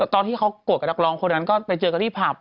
ตอนที่เขาโกรธกับนักร้องคนนั้นก็ไปเจอกันที่ผับ